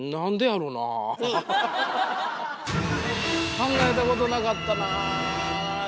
考えたことなかったなぁ。